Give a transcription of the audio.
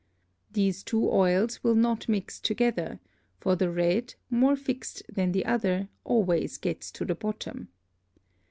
These two Oils will not mix together; for the red, more fixed than the other, always gets to the bottom.